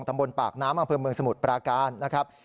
ตำบลปากน้ำอำเภอเมืองสมุทรปราการนะครับ